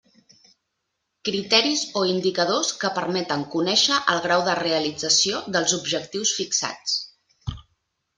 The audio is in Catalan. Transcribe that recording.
Criteris o indicadors que permeten conèixer el grau de realització dels objectius fixats.